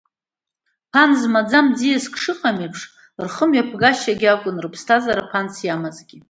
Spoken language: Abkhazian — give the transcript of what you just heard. Ԥан змам ӡиаск шыҟам еиԥш, рхымҩаԥгашьа акәын, рыԥсҭазаара ԥанс иамазгьы.